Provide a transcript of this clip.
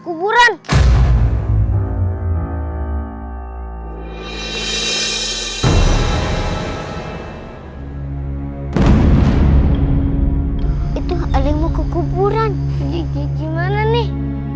hai hai itu halimu ke kuburan bom jmental nih